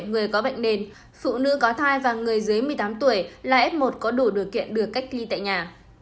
người có bệnh nền phụ nữ có thai và người dưới một mươi tám tuổi là f một có đủ điều kiện được cách ly tại nhà